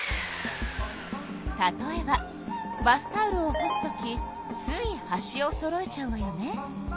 例えばバスタオルを干すときつい端をそろえちゃうわよね。